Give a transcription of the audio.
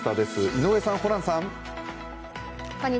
井上さん、ホランさん。